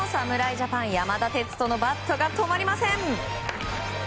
ジャパン山田哲人のバットが止まりません。